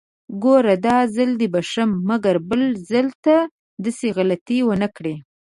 ګوره! داځل دې بښم، مګر بل ځل ته داسې غلطي ونکړې!